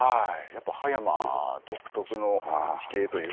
葉山独特の地形というか。